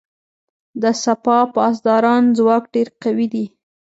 د سپاه پاسداران ځواک ډیر قوي دی.